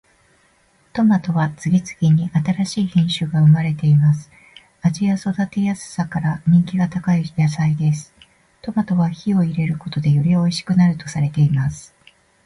トマトは次々に新しい品種が生まれています。味や育てやすさから人気が高い野菜です。トマトは火を入れることでよりおいしくなるとされています。